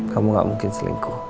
kamu gak mungkin selingkuh